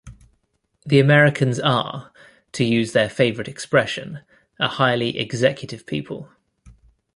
The Americans are, to use their favourite expression, a highly executive people.